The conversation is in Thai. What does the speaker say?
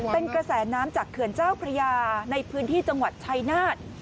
เป็นกระแสน้ำจากเขื่อนเจ้าพระยาในพื้นที่จังหวัดชายนาฏ